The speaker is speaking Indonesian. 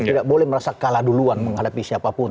tidak boleh merasa kalah duluan menghadapi siapapun